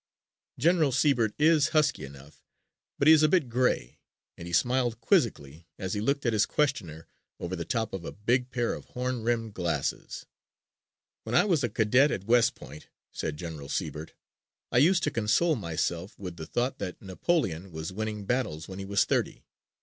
General Sibert is husky enough but he is a bit gray and he smiled quizzically as he looked at his questioner over the top of a big pair of horn rimmed glasses. "When I was a cadet at West Point," said General Sibert, "I used to console myself with the thought that Napoleon was winning battles when he was thirty.